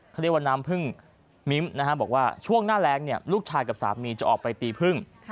เขาเรียกว่าน้ำพึ่งมิ้มบอกว่าช่วงหน้าแรงลูกชายกับสามีจะออกไปตีพึ่ง